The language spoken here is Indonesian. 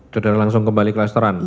saudara langsung kembali ke restoran